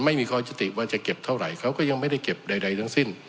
ไม่มีข้อยุติว่าจะเก็บเท่าไหร่เขาก็ยังไม่ได้เก็บใดทั้งสิ้น